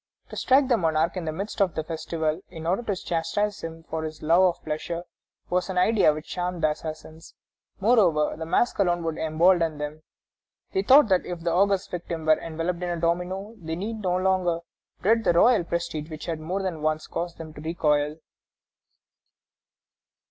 To strike the monarch in the midst of the festival, in order to chastise him for his love of pleasure, was an idea which charmed the assassins. Moreover, the mask alone could embolden them; they thought that if the august victim were enveloped in a domino they need no longer dread that royal prestige which had more than once caused them to recoil.